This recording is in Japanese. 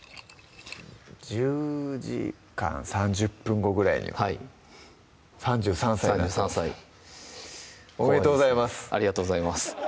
１０時間３０分後ぐらいにははい３３歳３３歳おめでとうございますありがとうございます